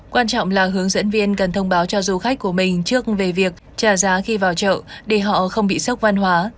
quan trọng là hướng dẫn viên cần thông báo cho du khách của mình trước về việc trả giá khi vào chợ để họ không bị sốc văn hóa